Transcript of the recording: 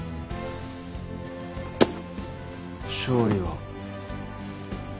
勝利は。